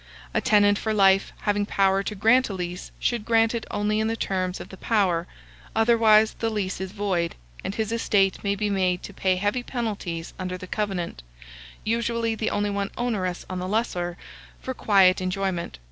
A tenant for life, having power to grant a lease, should grant it only in the terms of the power, otherwise the lease is void, and his estate may be made to pay heavy penalties under the covenant, usually the only one onerous on the lessor, for quiet enjoyment.